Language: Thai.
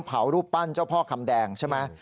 รูปปั้นเจ้าพ่อคำแดงใช่ไหม